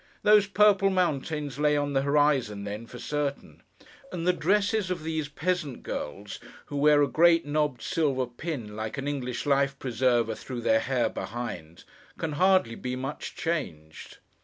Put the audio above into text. Those purple mountains lay on the horizon, then, for certain; and the dresses of these peasant girls, who wear a great, knobbed, silver pin like an English 'life preserver' through their hair behind, can hardly be much changed.